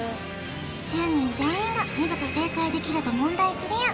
１０人全員が見事正解できると問題クリア